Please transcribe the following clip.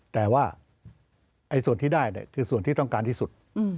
แต่ว่าส่วนที่ได้คือส่วนที่ต้องการที่สุด